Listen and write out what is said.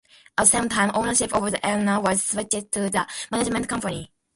At the same time, ownership of the arena was switched to the management company.